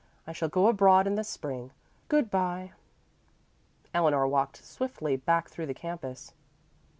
I shall go abroad in the spring. Good bye." Eleanor walked swiftly back through the campus.